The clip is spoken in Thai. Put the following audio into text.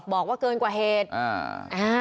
บอกว่าเกินกว่าเหตุอ่า